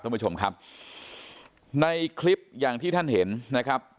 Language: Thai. ท่านผู้ชมครับในคลิปอย่างที่ท่านเห็นนะครับ